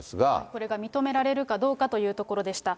これが認められるかどうかというところでした。